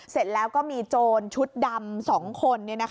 เสร็จแล้วก็มีโจรชุดดำ๒คน